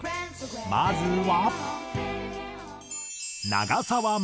まずは。